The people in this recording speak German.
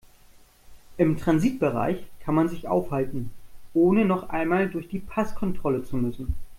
Im Transitbereich kann man sich aufhalten, ohne noch einmal durch die Passkontrolle zu müssen.